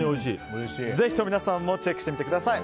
ぜひとも皆さんもチェックしてみてください。